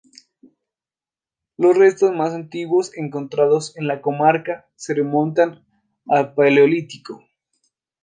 Los restos más antiguos encontrados en la comarca se remontan al paleolítico.